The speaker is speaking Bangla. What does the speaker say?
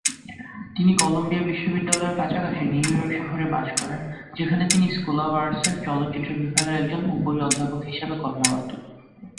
তিনি কলাম্বিয়া বিশ্ববিদ্যালয়ের কাছাকাছি নিউ ইয়র্ক শহরে বাস করেন, যেখানে তিনি স্কুল অব আর্টসের চলচ্চিত্র বিভাগে একজন উপরি-অধ্যাপক হিসেবে কর্মরত।